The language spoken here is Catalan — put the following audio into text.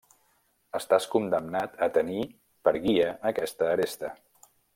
-Estàs condemnat a tenir per guia aquesta aresta…